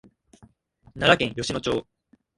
奈良県吉野町